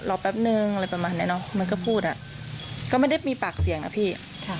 แป๊บนึงอะไรประมาณเนี้ยเนอะมันก็พูดอ่ะก็ไม่ได้มีปากเสียงอะพี่